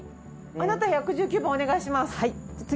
あなた１１９番お願いします！